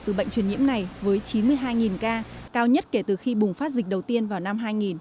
từ bệnh truyền nhiễm này với chín mươi hai ca cao nhất kể từ khi bùng phát dịch đầu tiên vào năm hai nghìn